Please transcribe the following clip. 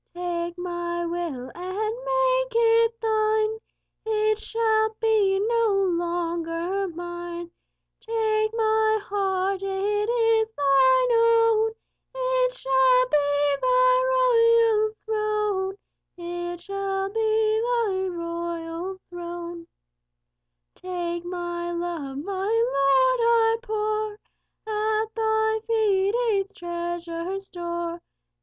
Take my will and make it Thine; It shall be no longer mine. Take my heart; it is Thine own; It shall be Thy royal throne. Take my love; my Lord, I pour At Thy feet its treasure store.